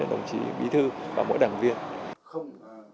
đồng chí bí thư và mỗi đảng viên